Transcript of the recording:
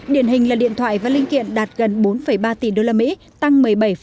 điển hình là điện thoại và linh kiện đạt gần bốn ba tỷ đô la mỹ tăng một mươi bảy năm